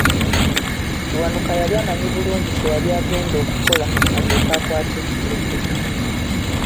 Kiwanuka yali amanyi bulungi kye yali agenda okukola alyoke akwate ekikulekule.